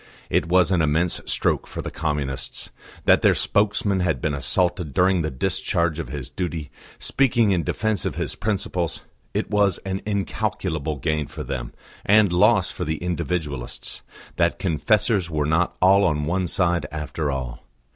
It was an immense stroke for the Communists; their spokesman had been assaulted during the discharge of his duty, speaking in defence of his principles; it was an incalculable gain for them, and loss for the Individualists, that confessors were not all on one side after all.